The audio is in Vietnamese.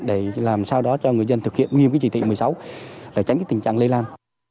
để làm sao đó cho người dân thực hiện nghiêm trị tị một mươi sáu để tránh tình trạng lây lan